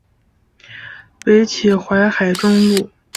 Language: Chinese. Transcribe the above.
北起淮海中路。